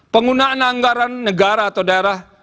penggunaan anggaran negara atau daerah